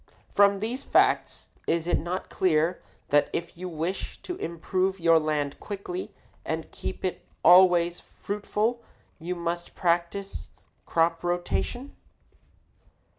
From these facts is it not clear that if you wish to improve your land quickly and keep it always fruitful you must practice crop rotation?